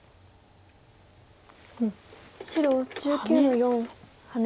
白１９の四ハネ。